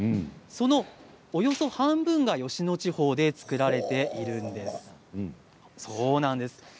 その、およそ半分が吉野地方で作られているんです。